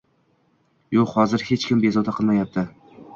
Yo‘q, hozir hech kim bezovta qilmayapti.